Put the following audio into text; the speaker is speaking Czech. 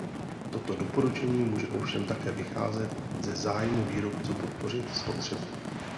Toto doporučení může ovšem také vycházet ze zájmu výrobců podpořit spotřebu.